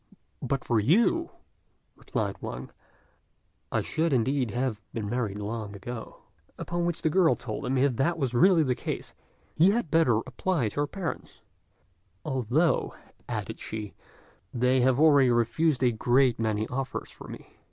"But for you," replied Wang, "I should, indeed, have been married long ago." Upon which the girl told him if that was really the case, he had better apply to her parents, "although," added she, "they have already refused a great many offers for me.